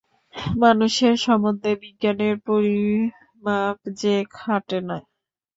মানুষের সম্বন্ধে বিজ্ঞানের পরিমাপ যে খাটে না।